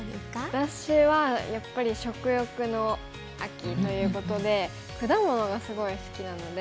私はやっぱり食欲の秋ということで果物がすごい好きなので。